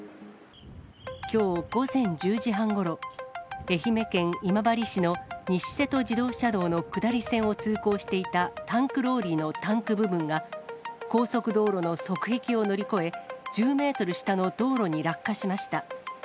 きょう午前１０時半ごろ、愛媛県今治市の西瀬戸自動車道の下り線を通行していたタンクローリーのタンク部分が、高速道路の側壁を乗り越え、１０メートル下の道路に落下しました。